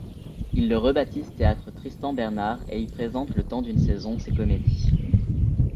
Il le rebaptise théâtre Tristan-Bernard et y présente le temps d'une saison ses comédies.